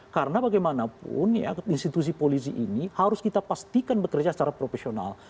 karena bagaimanapun ya institusi polisi ini harus kita pastikan bekerja secara profesional